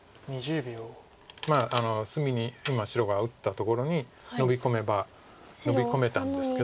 まあ隅に今白が打ったところにノビ込めばノビ込めたんですけど。